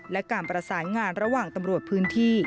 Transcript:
และการประสานงานระหว่างตำรวจพื้นที่